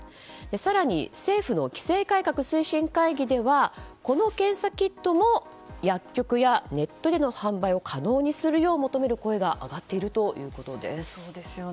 更に、政府の規制改革推進会議ではこの検査キットを薬局やネットでの販売を可能にするよう求める声が上がっているということです。